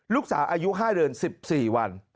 ลูกสาวอายุ๕เดือน๑๔วัน